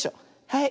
はい。